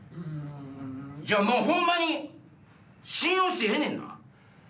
もうホンマに信用してええねんな？